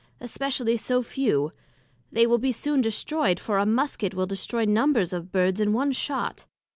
especially so few? They will be soon destroyed, for a Musket will destroy numbers of Birds in one shot.